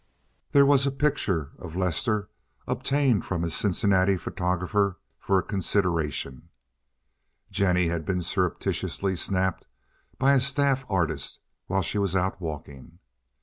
There was a picture of Lester obtained from his Cincinnati photographer for a consideration; Jennie had been surreptitiously "snapped" by a staff artist while she was out walking.